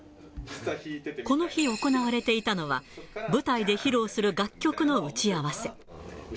この日、行われていたのは、舞台で披露する楽曲の打ち合わせ。